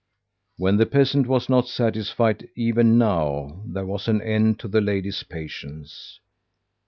"When the peasant was not satisfied even now, there was an end to the lady's patience.